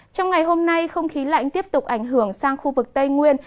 trong ngày hôm nay không khí lạnh tiếp tục ảnh hưởng sang khu vực tây nguyên